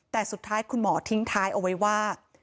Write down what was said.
แต่สุดท้ายคุณหมอทิ้งท้ายเอาไว้ว่า